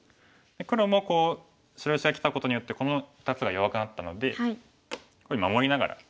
黒もこう白石がきたことによってこの２つが弱くなったのでこういうふうに守りながら。